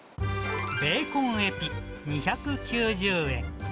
ベーコンエピ２９０円。